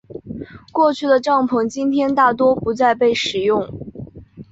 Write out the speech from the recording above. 过去的帐篷今天大多不再被使用。